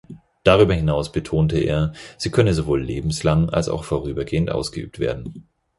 Darüber hinaus betonte er, sie könne sowohl lebenslang als auch vorübergehend ausgeübt werden.